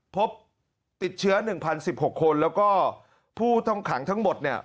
พบติดเชื้อหนึ่งพันสิบหกคนแล้วก็ผู้ต้องหางทั้งหมดเนี่ย